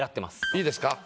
いいですか？